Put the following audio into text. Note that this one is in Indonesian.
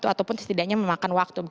ataupun setidaknya memakan waktu